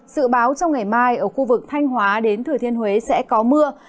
dự báo trong ngày mai ở khu vực thanh hóa đến thừa thiên huế sẽ có mưa